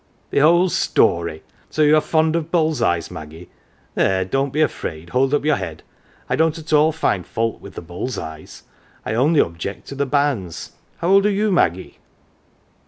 " The old story ! So you are fond of bull's eyes, Maggie ? There, don't be afraid hold up your head. I don't at all find fault with the bull's eyes I only object to the banns. How old are you, Maggie